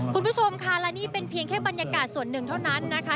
คุณผู้ชมค่ะและนี่เป็นเพียงแค่บรรยากาศส่วนหนึ่งเท่านั้นนะคะ